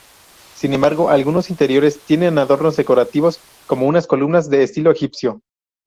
Sin embargo, algunos interiores tienen adornos decorativos, como unas columnas de estilo egipcio.